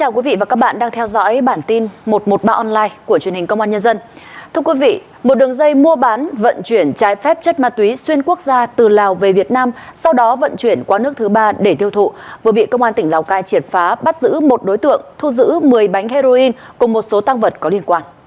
các bạn hãy đăng ký kênh để ủng hộ kênh của chúng mình nhé